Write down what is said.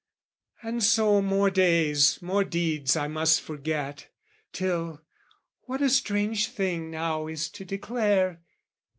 And so more days, more deeds I must forget, Till...what a strange thing now is to declare!